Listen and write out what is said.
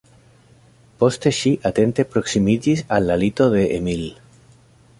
Poste ŝi atente proksimiĝis al la lito de Emil.